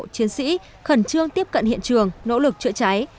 chiến sĩ khẩn trương tiếp cận hiện trường nỗ lực chữa cháy